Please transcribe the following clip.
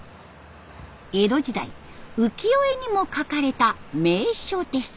江戸時代浮世絵にも描かれた名所です。